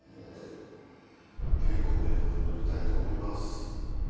ご冥福を祈りたいと思います。